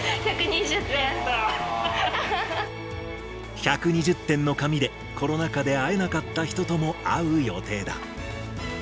１２０点の髪で、コロナ禍で会えなかった人とも会う予定だ。